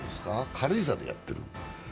軽井沢でやっている。